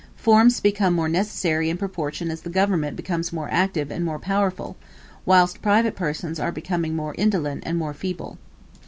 Forms become more necessary in proportion as the government becomes more active and more powerful, whilst private persons are becoming more indolent and more feeble.